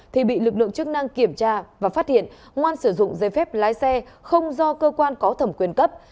thì bị lực lượng chức năng kiểm tra và phát hiện ngoan sử dụng dây phép lái xe không do cơ quan có thẩm quyền cấp